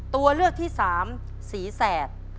ตัวเลือกที่สามสีแสด